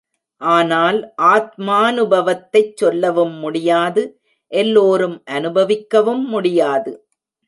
ஆனால் ஆத்மாநுபவத்தைச் சொல்லவும் முடியாது எல்லோரும் அநுபவிக்கவும் முடியாது.